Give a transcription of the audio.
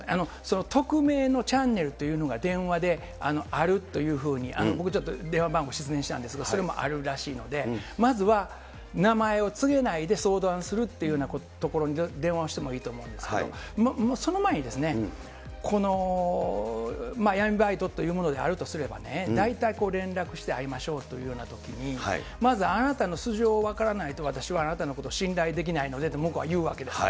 匿名のチャンネルというのが、電話であるというふうに僕ちょっと、電話番号失念したんですが、それもあるらしいので、まずは名前を告げないで相談するというようなところに電話をしてもいいと思うんですけれども、その前に闇バイトというものであるとすればね、大体これ、連絡して会いましょうというようなときに、まずあなたの素性を分からないと私はあなたのこと信頼できないのでって、向こうは言うわけですよ。